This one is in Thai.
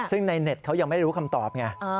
ซึ่งในเน็ตเขายังไม่รู้คำตอบไง